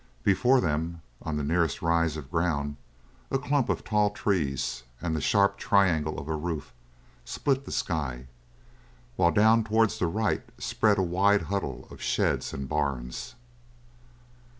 Before them, on the nearest rise of ground, a clump of tall trees and the sharp triangle of a roof split the sky, while down towards the right spread a wide huddle of sheds and barns.